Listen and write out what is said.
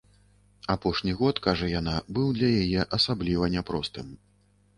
Апошні год, кажа яна, быў для яе асабліва няпростым.